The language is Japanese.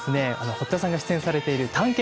堀田さんが出演されている「探検！